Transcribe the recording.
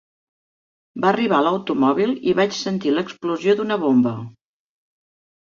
Va arribar l'automòbil i vaig sentir l'explosió d'una bomba.